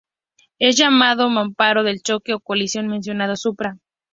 Es llamado mamparo de choque o colisión, mencionado "supra".